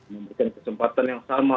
membukakan kesempatan yang sama